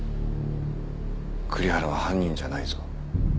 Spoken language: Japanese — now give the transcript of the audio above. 栗原は犯人じゃないぞ。